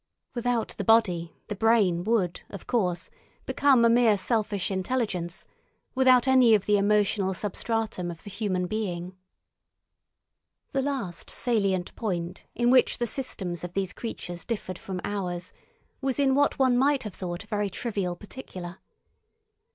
Without the body the brain would, of course, become a mere selfish intelligence, without any of the emotional substratum of the human being. The last salient point in which the systems of these creatures differed from ours was in what one might have thought a very trivial particular.